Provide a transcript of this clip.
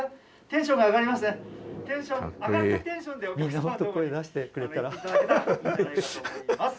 みんなもっと声出してくれたら。